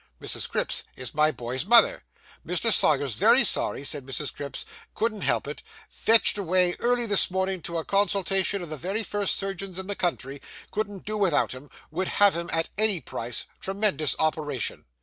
Mrs. Cripps is my boy's mother. "Mr. Sawyer's very sorry," says Mrs. Cripps, "couldn't help it fetched away early this morning to a consultation of the very first surgeons in the country couldn't do without him would have him at any price tremendous operation."